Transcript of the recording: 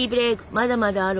まだまだあるわよ